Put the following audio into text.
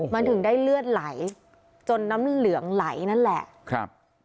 มันถึงได้เลือดไหลจนน้ำเหลืองไหลนั่นแหละครับ